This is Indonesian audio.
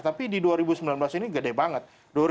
tapi di dua ribu sembilan belas ini gede banget